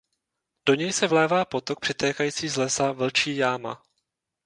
Do něj se vlévá potok přitékající z lesa "Vlčí jáma".